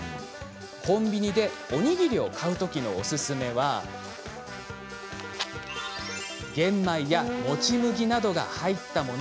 コンビニでおにぎりを買う時のおすすめは玄米やもち麦などが入ったもの。